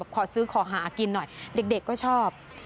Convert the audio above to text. ขอซื้อขอหากินหน่อยเด็กก็ชอบ